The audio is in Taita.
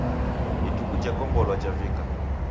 Ituku jekombolwa javika